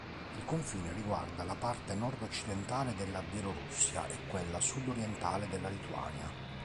Il confine riguarda la parte nord-occidentale della Bielorussia e quella sud-orientale della Lituania.